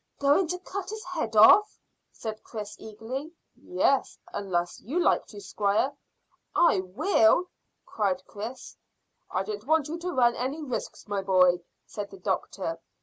"Going to cut his head off?" said Chris eagerly. "Yes, unless you like to, squire." "I will," cried Chris. "I don't want you to run any risks, my boy," said the doctor.